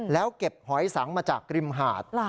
แล้วเก็บหอยสังมาจากริมหาด